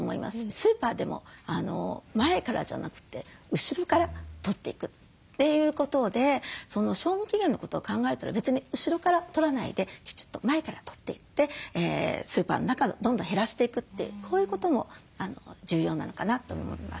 スーパーでも前からじゃなくて後ろから取っていくということで賞味期限のことを考えたら別に後ろから取らないできちっと前から取っていってスーパーの中のをどんどん減らしていくってこういうことも重要なのかなと思います。